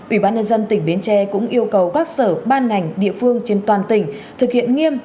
ubnd tỉnh bến tre cũng yêu cầu các sở ban ngành địa phương trên toàn tỉnh thực hiện nghiêm